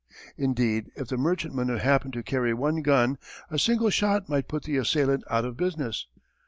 Indeed if the merchantman happened to carry one gun a single shot might put the assailant out of business.